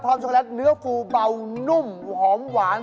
ช็อกแลตเนื้อฟูเบานุ่มหอมหวาน